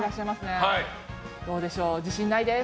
どうでしょう、自信ないです。